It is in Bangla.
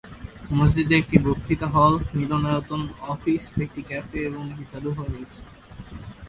মসজিদে একটি বক্তৃতা হল, মিলনায়তন, অফিস, একটি ক্যাফে এবং একটি যাদুঘর রয়েছে।